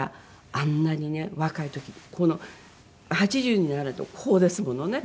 あんなにね若い時もこの８０になられてもこうですものね。